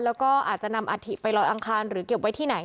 แล้วก็อาจจะนำอาถิไปลอยอังคารหรือเก็บไว้ที่ไหน